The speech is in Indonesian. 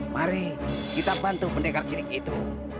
mari kita bantu pendekar cilik itu